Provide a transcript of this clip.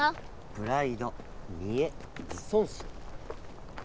プライドみえ自そん心。